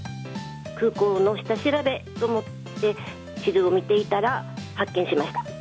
空港の下調べと思って、地図を見ていたら発見しました。